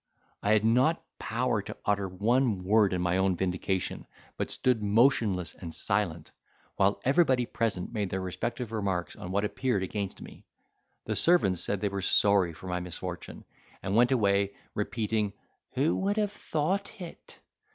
I had not power to utter one word in my own vindication, but stood motionless and silent, while everybody present made their respective remarks on what appeared against me. The servants said they were sorry for my misfortune, and went away repeating, "Who would have thought it?"